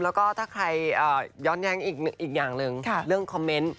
แล้วก็ถ้าใครย้อนแย้งอีกอย่างหนึ่งเรื่องคอมเมนต์